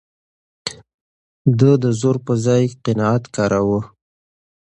ده د زور پر ځای قناعت کاراوه.